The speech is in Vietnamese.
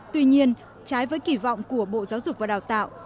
tuy nhiên trái với kỳ vọng của bộ giáo dục và đào tạo